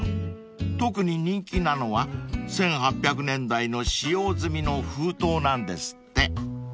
［特に人気なのは１８００年代の使用済みの封筒なんですって］